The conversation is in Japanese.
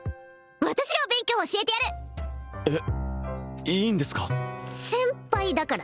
私が勉強教えてやるえっいいんですか？